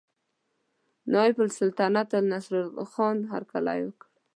نایب السلطنته نصرالله خان هرکلی وکړ.